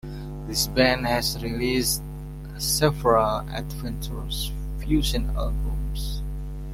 This band has released several adventurous fusion albums.